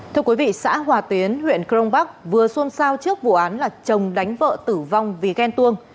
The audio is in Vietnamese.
thưa quý vị xã hòa tiến huyện crong bắc vừa xôn xao trước vụ án là chồng đánh vợ tử vong vì ghen tuông